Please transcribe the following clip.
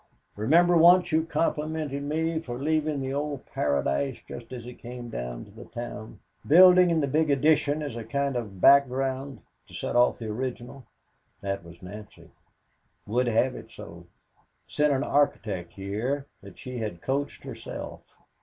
Remember once you complimented me for leaving the old Paradise just as it came down to the town, building in the big addition as a kind of background, to set off the original? That was Nancy would have it so sent an architect here that she had coached herself.